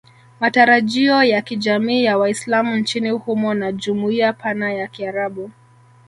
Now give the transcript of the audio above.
Matarajio ya kijamii ya Waislamu nchini humo na jumuiya pana ya Kiarabu